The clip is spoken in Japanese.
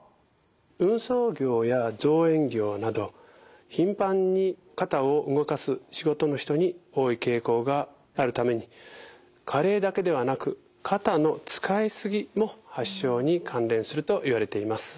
運送業や造園業など頻繁に肩を動かす仕事の人に多い傾向があるために加齢だけではなく肩の使いすぎも発症に関連するといわれています。